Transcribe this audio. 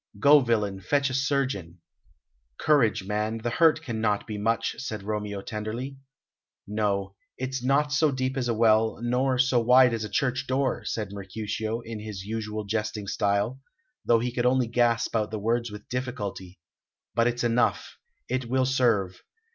Go, villain, fetch a surgeon." "Courage, man, the hurt cannot be much," said Romeo tenderly. "No, it's not so deep as a well, nor so wide as a church door," said Mercutio, in his usual jesting style, though he could only gasp out the words with difficulty; "but it's enough; it will serve.